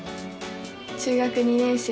中学２年生。